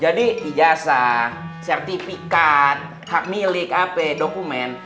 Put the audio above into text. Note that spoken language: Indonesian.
jadi ijazah sertifikat hak milik apa dokumen